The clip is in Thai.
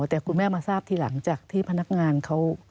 แต่คุณแม่มาทราบทีหลังจากที่พนักงานเขา